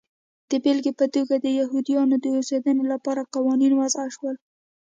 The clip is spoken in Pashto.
د بېلګې په توګه د یهودیانو د اوسېدنې لپاره قوانین وضع شول.